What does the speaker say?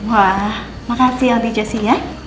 wah makasih ya tante jessy ya